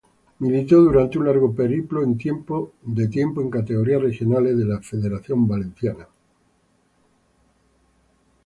Militó durante un largo periplo de tiempo en categorías regionales de la federación valenciana.